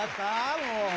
もう。